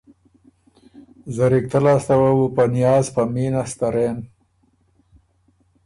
زرِکته لاسته وه بو په نیاز په مینه سترېن